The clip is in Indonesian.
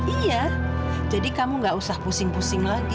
iya jadi kamu gak usah pusing pusing lagi